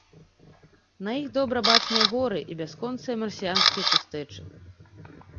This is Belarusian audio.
На іх добра бачныя горы і бясконцыя марсіянскія пустэчы.